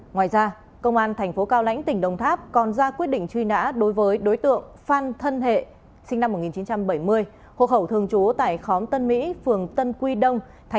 ngoài ra công an thành phố cao lãnh tỉnh đồng tháp còn ra quyết định truy nã đối với đối tượng phan thân hệ sinh năm một nghìn chín trăm bảy mươi hộ khẩu thường trú tại khóm tân mỹ phường tân quy đông